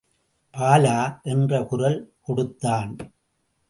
பாலா...! என்று குரல் கொடுத்தான்.